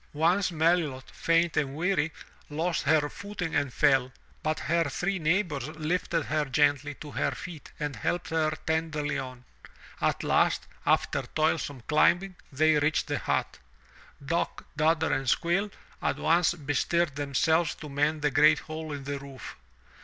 Once Melilot, faint and weary, lost her footing and fell, but her three neighbors lifted her gently to her feet and helped her tenderly on. At last, after toilsome climbing, they reached the hut. Dock, Dodder and Squill at once bestirred themselves to mend the great hole in the roof.